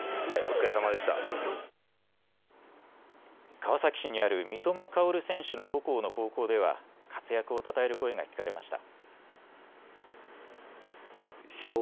川崎市にある三笘薫選手の母校の高校では活躍をたたえる声が聞かれました。